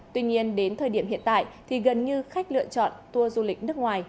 tuy nhiên đến thời điểm hiện tại thì gần như khách lựa chọn tour du lịch nước ngoài